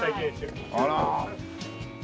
あら。